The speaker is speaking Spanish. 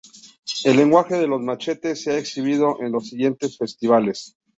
El lenguaje de los machetes se ha exhibido en los siguientes festivales.